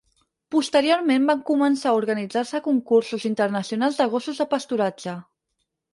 Posteriorment van començar a organitzar-se concursos internacionals de gossos de pasturatge.